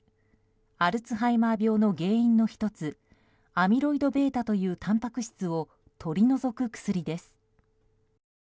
アルツハイマー病の原因の１つアミロイドβというたんぱく質を取り除く薬です。